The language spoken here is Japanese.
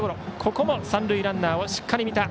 ここも三塁ランナーはしっかり見た。